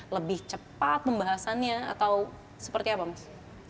lebih cepat pembahasannya atau seperti apa mas